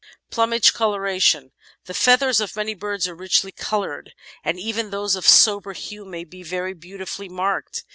Plumage Coloration The feathers of many birds are richly coloured, and even those of sober hue may be very beautifully marked.